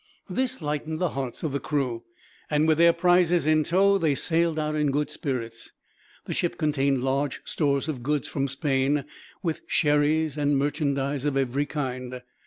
This lightened the hearts of the crew, and with their prizes in tow, they sailed out in good spirits. The ship contained large stores of goods from Spain, with sherries, and merchandise of every kind.